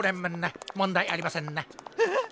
えっ！